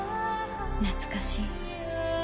懐かしい。